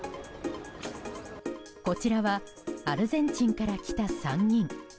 こちらはアルゼンチンから来た３人。